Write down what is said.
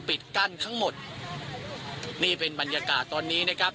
ปิดกั้นทั้งหมดนี่เป็นบรรยากาศตอนนี้นะครับ